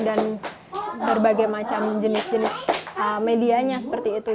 dan berbagai macam jenis jenis medianya seperti itu